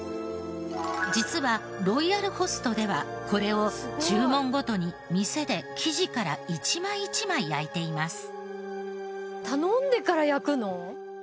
実はロイヤルホストではこれを注文ごとに店で生地から１枚１枚焼いています。